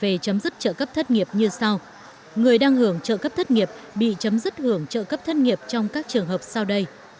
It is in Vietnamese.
về chấm dứt trợ cấp thất nghiệp như sau người đang hưởng trợ cấp thất nghiệp bị chấm dứt hưởng trợ cấp thất nghiệp trong các trường hợp sau đây